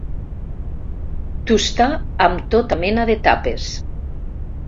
Tustar amb tota mena de tapes.